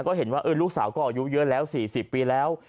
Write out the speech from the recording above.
ก็เห็นว่าลูกสาวก็อายุเยอะแล้ว๔๐ปีแล้ว